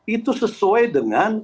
itu sesuai dengan